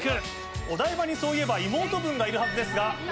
お台場にそういえば妹分がいるはずですが。